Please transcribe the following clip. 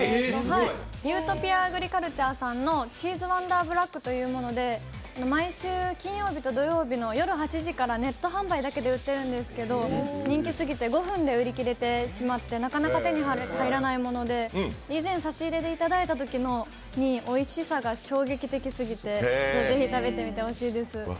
ユートピアアグリカルチャーさんのＣＨＥＥＳＥＷＯＮＤＥＲＢＬＡＣＫというもので毎週金曜日と土曜日のネット販売だけで売ってるんですけど、人気すぎて５分で売り切れてしまって、なかなか手に入らないもので、以前、差し入れでいただいたときにおいしさが衝撃的すぎてぜひ食べてみてほしいです。